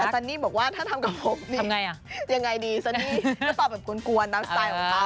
ซันนี่บอกว่าถ้าทำกับผมยังไงดีซันนี่ก็ตอบแบบกวนตามสไตล์ของเขา